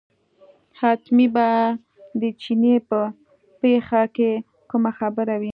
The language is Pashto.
حتمي به د چیني په پېښه کې کومه خبره وي.